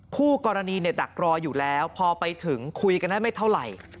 คู่กรณีดักรออยู่แล้วพอไปถึงคุยกันได้ไม่เท่าไหร่